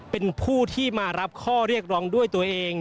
เป็นผู้ที่มารับข้อเรียกร้องด้วยตัวเอง